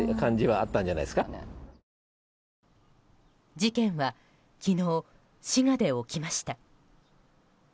事件は昨日滋賀で起きました。